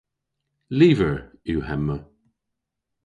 Lyver yw hemma.